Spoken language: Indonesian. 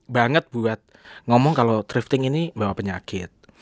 banget buat ngomong kalau thrifting ini bawa penyakit